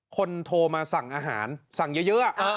โทรมาสั่งอาหารสั่งเยอะ